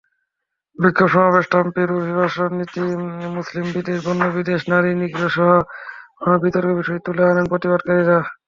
বিক্ষোভ-সমাবেশে ট্রাম্পের অভিবাসননীতি, মুসলিমবিদ্বেষ, বর্ণবিদ্বেষ, নারী নিগ্রহসহ অন্যান্য বিতর্কিত বিষয় তুলে আনেন প্রতিবাদকারীরা।